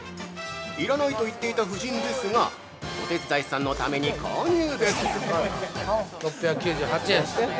要らないと言っていた夫人ですがお手伝いさんのために購入です！